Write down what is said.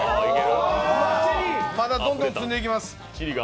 まだどんどん積んでいきます。